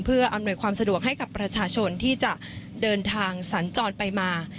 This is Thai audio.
เพื่ออำนวยความสะดวกให้กับประชาชนที่จะเดินทางสัญจรไปมา